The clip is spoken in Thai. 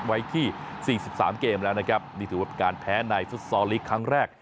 ไว้ที่สี่สิบสามเกมแล้วนะครับนี่ถือว่าเป็นการแพ้ในฟุตซอลลีกครั้งแรก